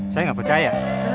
saya gak percaya